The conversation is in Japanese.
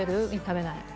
「食べない」